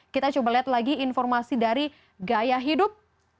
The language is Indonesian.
kita coba lihat lagi informasi dari gaya hidup